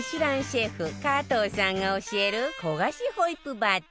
シェフ加藤さんが教える焦がしホイップバター